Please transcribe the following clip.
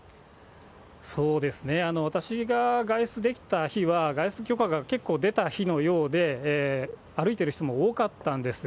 私が外出できた日は、外出許可が結構出た日のようで、歩いてる人も多かったんです。